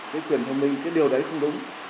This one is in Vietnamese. cái quyền thông minh cái điều đấy không đúng